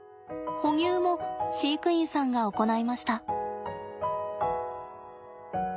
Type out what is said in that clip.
哺乳も飼育員さんが行いました。